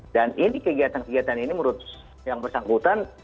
dan ini kegiatan kegiatan ini menurut yang bersangkutan